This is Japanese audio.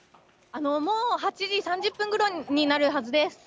もう８時３０分ごろになるはずです。